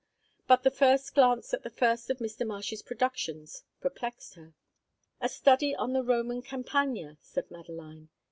But the first glance at the first of Mr. Marsh's productions perplexed her. A study on the Roman Campagna, said Madeline.